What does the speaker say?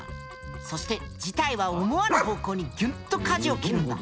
そして事態は思わぬ方向にギュンと舵を切るんだ。